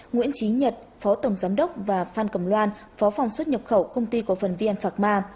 nguyễn trí nhật phó tổng giám đốc và phan cẩm loan phó phòng xuất nhập khẩu công ty cổ phần vn phạc ma